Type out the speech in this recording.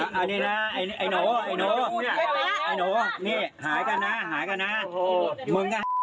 แค่กลับรถหน้าพี่